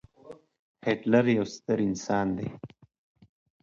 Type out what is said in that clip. هېټلر يو ستر انسان دی.